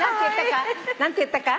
何て言ったか。